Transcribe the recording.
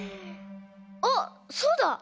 あっそうだ！